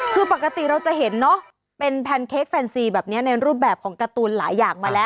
คือปกติเราจะเห็นเนอะเป็นแพนเค้กแฟนซีแบบนี้ในรูปแบบของการ์ตูนหลายอย่างมาแล้ว